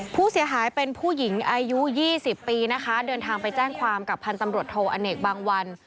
ผู้เสียหายเป็นผู้หญิงอายุ๒๐ปีนะคะเดินทางไปแจ้งความกับพันธ์ตำรวจโทอเนกบางวัน